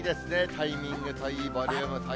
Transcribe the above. タイミングといい、ボリュームといい。